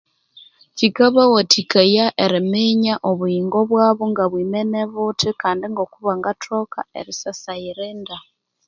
Kikabawathikaya eriminya obuyingo bwbu ngabwimene buthu ibanathoka eriyerinda